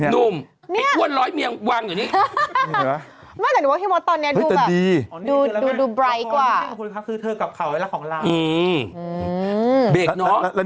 ไม่แต่หนูว่าพี่มดตอนนี้ดูแบบดูไฟล์กว่าอ๋อนี่คือเรื่องของคุณครับ